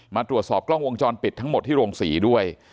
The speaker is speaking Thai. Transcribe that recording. มาตรวจสอบกล้องวงจรปิดทั้งหมดที่โรงศรีด้วย